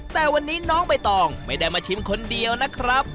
แต่วันนี้น้องใบตองไม่ได้มาชิมคนเดียวนะครับ